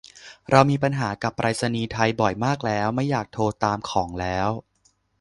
เรามีปัญหากับไปรษณีย์ไทยบ่อยมากแล้วไม่อยากโทรตามของแล้ว